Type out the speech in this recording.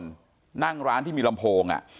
แล้วก็แหงหน้าขึ้นไปมองข้างบน